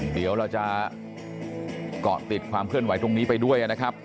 เดี๋ยวเราจะเกาะติดความเคลื่อนไหวตรงนี้ไปด้วยนะครับ